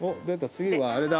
次はあれだ。